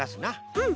うん。